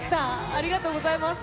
ありがとうございます。